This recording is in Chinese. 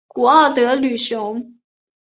古奥德吕雄。